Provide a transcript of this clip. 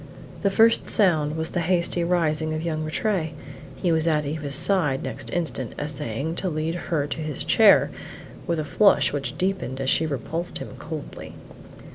The first sound was the hasty rising of young Rattray; he was at Eva's side next instant, essaying to lead her to his chair, with a flush which deepened as she repulsed him coldly.